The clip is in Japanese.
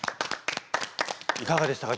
いかがでしたか？